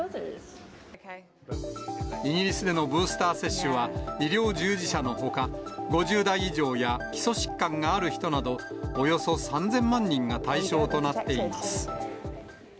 イギリスでのブースター接種は、医療従事者のほか、５０代以上や基礎疾患がある人など、およそ３０００万人が対象となっています。